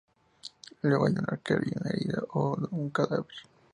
Luego, hay un arquero y un herido o un cadáver.